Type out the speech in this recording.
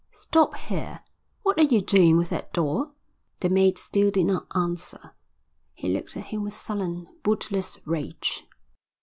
"Stop here. What are you doing with that door?" The mate still did not answer. He looked at him with sullen, bootless rage.